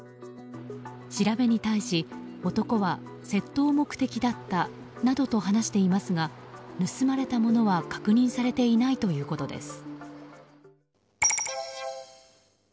調べに対し、男は窃盗目的だったなどと話していますが盗まれたものは確認されていないということです。